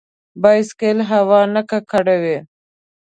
بایسکل هوا نه ککړوي.